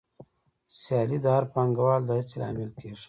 سیالي د هر پانګوال د هڅې لامل کېږي